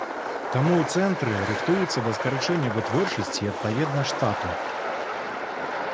Таму ў цэнтры рыхтуюцца да скарачэння вытворчасці і, адпаведна, штату.